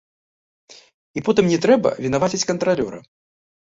І потым не трэба вінаваціць кантралёра.